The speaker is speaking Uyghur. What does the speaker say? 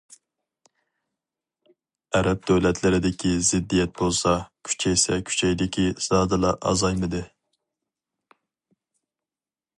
ئەرەب دۆلەتلىرىدىكى زىددىيەت بولسا كۈچەيسە كۈچەيدىكى، زادىلا ئازايمىدى.